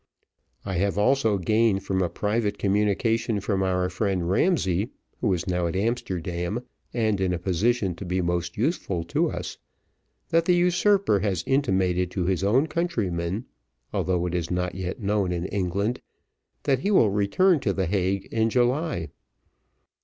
I have also gained from a private communication from our friend Ramsay, who is now at Amsterdam, and in a position to be most useful to us, that the usurper has intimated to his own countrymen, although it is not yet known in England, that he will return to the Hague in July.